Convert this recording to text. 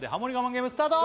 ゲームスタート